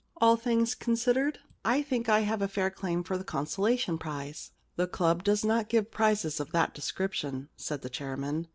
* All things considered, I think I have a fair claim for a consolation prize.' * The club does not give prizes of that description,' said the chairman.